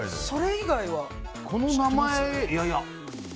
この名前。